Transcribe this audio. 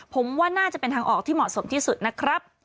ผมว่าน่าจะเป็นทางออกที่เหมาะสมที่สุดนะครับ